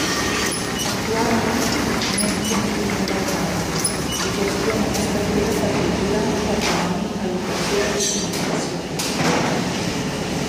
Actualment n'és primer tinent d'alcalde i gestiona les carteres de Cultura, Patrimoni, Educació i Comunicació.